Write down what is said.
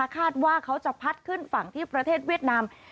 คาดว่าเขาจะพัดขึ้นฝั่งที่ประเทศเวียดนาม